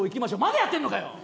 まだやってんのかよ！